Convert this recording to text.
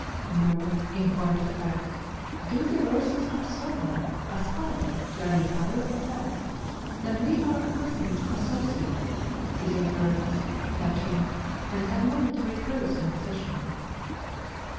Nor, in point of fact, do the verses of Solon aspire to any higher effect than we are accustomed to associate with an earnest, touching, and admonitory prose composition.